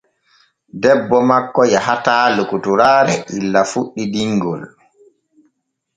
Debbo makko yahataa lokotoraare illa fuɗɗi dinŋol.